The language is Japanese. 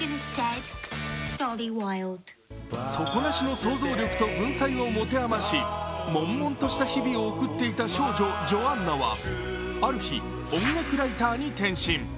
底なしの想像力と文才を持て余しもんもんとした日々を送っていた少女ジョアンナはある日、音楽ライターに転身。